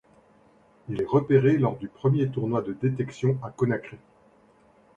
Il est repéré lors du premier tournoi de détection à Conakry.